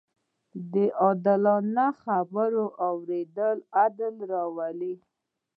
د عادلانه خبرو اورېدل عدل راولي